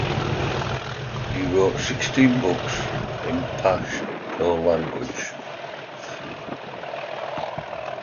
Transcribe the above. He wrote sixteen books in Pashto language.